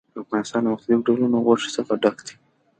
افغانستان له مختلفو ډولونو غوښې څخه ډک دی.